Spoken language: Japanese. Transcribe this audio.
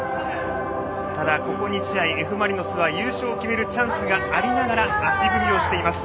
ただ、ここ２試合Ｆ・マリノスは優勝を決めるチャンスがありながら足踏みをしています。